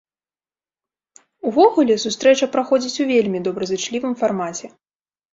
Увогуле, сустрэча праходзіць у вельмі добразычлівым фармаце.